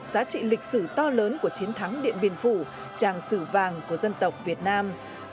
giá trị lịch sử to lớn của chiến thắng điện biên phủ tràng sử vàng của dân tộc việt nam